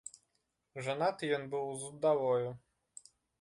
Жанаты ён быў з удавою.